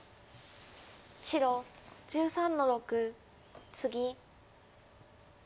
白１３の六ツギ。